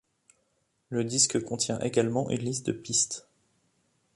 Le disque contient également une liste de pistes.